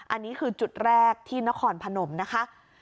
อันนี้คือจุดแรกที่นครพนมนะคะ